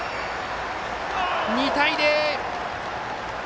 ２対０！